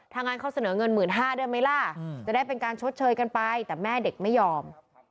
ถ้างั้นเขาเสนอเงิน๑๕๐๐ด้วยไหมล่ะจะได้เป็นการชดเชยกันไปแต่แม่เด็กไม่ยอม